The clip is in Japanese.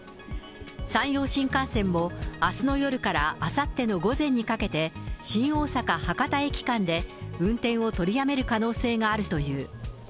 山陽新幹線もあすの夜からあさっての午前にかけて、新大阪・博多駅間で運転を取りやめる可能性があるという。